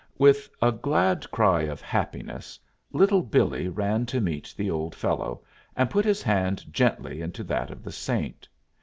] With a glad cry of happiness, Little Billee ran to meet the old fellow, and put his hand gently into that of the saint.